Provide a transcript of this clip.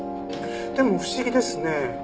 でも不思議ですね。